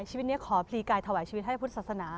ชีวิตนี้ขอพลีกายถวายชีวิตให้พุทธศาสนา